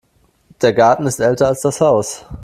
Der Garten ist älter als das Haus.